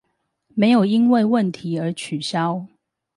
沒有因為問題而取消